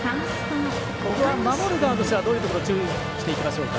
守る側としてはどういうところ注意していきましょうか？